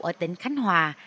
ở tỉnh khánh hòa